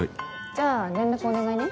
じゃあ連絡お願いね